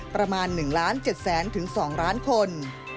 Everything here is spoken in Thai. ประมาณ๑ล้าน๗แสนถึง๒ล้านคน